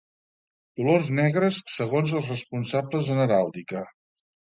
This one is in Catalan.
Colors negres, segons els responsables en heràldica.